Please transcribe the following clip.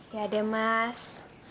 ya deh mas